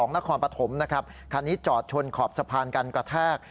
๘๖๖๐๒นครปฐมคันนี้จอดชนขอบสะพานกันกระแทก